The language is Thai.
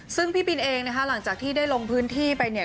ซึ่งพี่บินเองนะคะหลังจากที่ได้ลงพื้นที่ไปเนี่ย